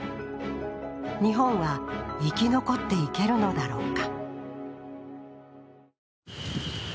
日本は生き残っていけるのだろうか。